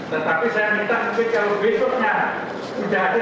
tetapi saya minta mungkin kalau besoknya tidak ada